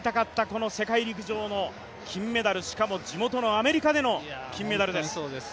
この世界陸上の金メダル、しかも地元のアメリカでの金メダルです。